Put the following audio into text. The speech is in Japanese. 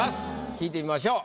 聞いてみましょう。